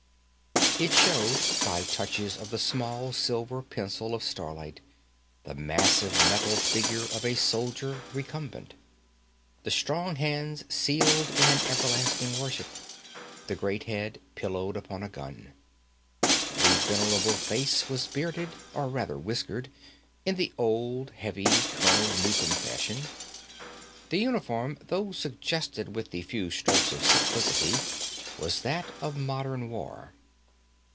It showed, by touches of the small silver pencil of starlight, the massive metal figure of a soldier recumbent, the strong hands sealed in an everlasting worship, the great head pillowed upon a gun. The venerable face was bearded, or rather whiskered, in the old, heavy Colonel Newcome fashion. The uniform, though suggested with the few strokes of simplicity, was that of modern war.